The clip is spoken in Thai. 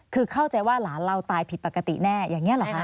คือเข้าใจว่าหลานเราตายผิดปกติแน่อย่างนี้เหรอคะ